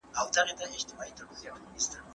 تاسو د پاکو اوبو په څښلو بوخت یاست.